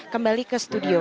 kembali ke studio